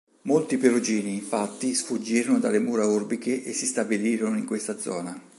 Molti perugini, infatti, sfuggirono dalle mura urbiche e si stabilirono in questa zona.